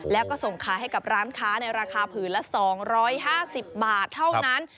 แล้วก็ส่งขายให้กับร้านค้าในราคาผืนละ๒๕๐บาทเท่านั้น